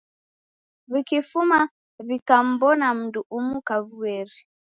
W'ikifuma w'ikammbona mundu umu kavueri.